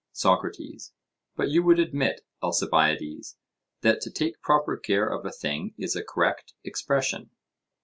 SOCRATES: But you would admit, Alcibiades, that to take proper care of a thing is a correct expression?